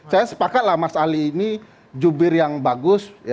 saya sepakatlah mas ali ini jubir yang bagus